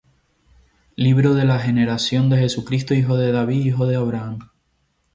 Libro de la generación de Jesucristo, hijo de David, hijo de Abraham.